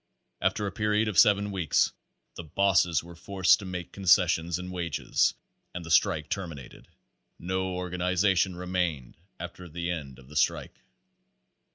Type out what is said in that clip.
After a period of several weeks the bosses were forced to make concessions in wages and the strike terminated. No organization remained after the end of the strike.